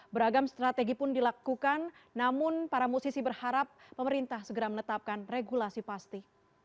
beragam strategi pun dilakukan namun para musisi berharap pemerintah segera menetapkan regulasi pasti